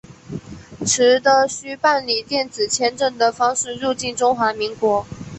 持的需办理电子签证的方式入境中华民国。